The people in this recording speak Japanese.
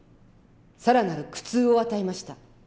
更なる苦痛を与えました。